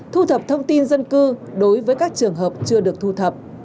thu thập thông tin dân cư đối với các trường hợp chưa được thu thập